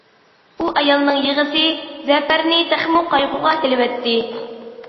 ئۇ ئايالنىڭ يىغىسى زەپەرنى تېخىمۇ قايغۇغا سېلىۋەتتى.